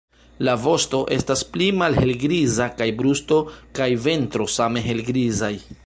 La vosto estas pli malhelgriza kaj brusto kaj ventro same helgrizaj.